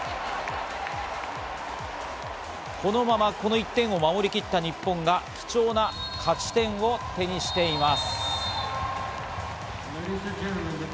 このままこの１点を守りきった日本が貴重な勝ち点を手にしています。